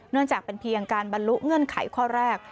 จากเป็นเพียงการบรรลุเงื่อนไขข้อแรก